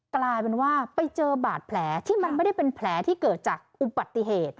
กลายเป็นว่าไปเจอบาดแผลที่มันไม่ได้เป็นแผลที่เกิดจากอุบัติเหตุ